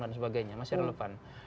dan sebagainya masih relevan